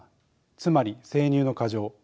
つまり生乳の過剰。